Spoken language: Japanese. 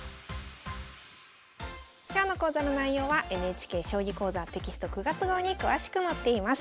今日の講座の内容はＮＨＫ「将棋講座」テキスト９月号に詳しく載っています。